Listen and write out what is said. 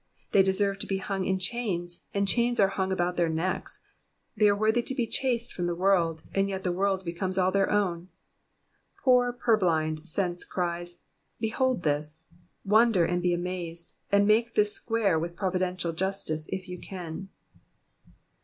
They deserve to be hung in chains, and chains are hung about their necks ; they are worthy to be chased from the world, and yet the world becomes all their own. Poor purblind sense cries. Behold this ! Wonder, and be amazed, and make this square with providential justice, if you can.